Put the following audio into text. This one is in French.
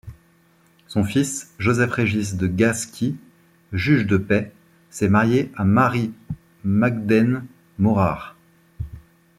Son fils Joseph-Régis de Gasqui, juge de paix, s'est marié à Marie-Magdeine Morard.